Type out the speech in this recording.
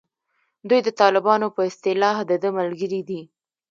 دوی د طالبانو په اصطلاح دده ملګري دي.